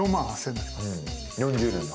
４０年で。